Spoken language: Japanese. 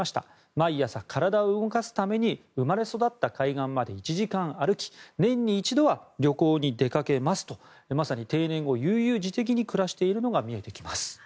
毎朝、体を動かすために生まれ育った海岸まで１時間歩き年に一度は旅行に出かけますとまさに定年後、悠々自適に暮らしているのが見えてきます。